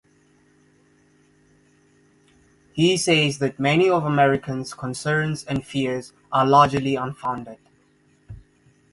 He says that many of Americans' concerns and fears are largely unfounded.